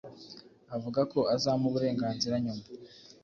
Avuga ko azampa uburenganzira nyuma